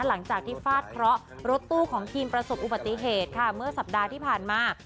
หลังจากที่ฟาดเคราะห์รถตู้ของทีมประสบอุบัติเหตุค่ะเมื่อสัปดาห์ที่ผ่านมา